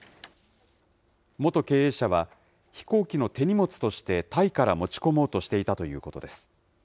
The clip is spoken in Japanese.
元経営者は、飛行機の手荷物としてタイから持ち込もうとしていたということです。